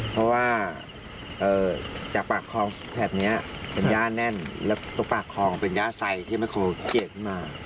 เพราะว่าจากปากคลองแถบนี้เป็นย่าแน่นแล้วตรงปากคลองเป็นย่าไซที่มันโคเกดขึ้นมา